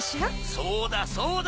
そうだそうだ！